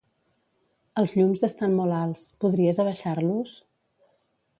Els llums estan molt alts; podries abaixar-los?